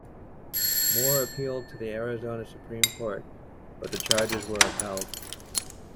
Moore appealed to the Arizona Supreme Court but the charges were upheld.